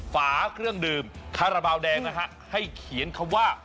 ฝาเครื่องดื่มคาราบาลแดงนะฮะให้เขียนคำว่า